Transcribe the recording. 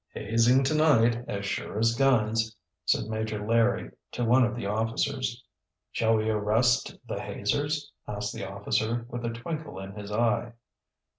"Hazing to night, as sure as guns," said Major Larry to one of the officers. "Shall we arrest the hazers"? asked the officer, with a twinkle in his eye.